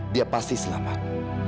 dia pasti selamat